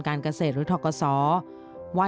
กานเกษตรริทรคสว่า